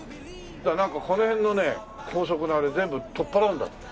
なんかこの辺のね高速のあれ全部取っ払うんだって。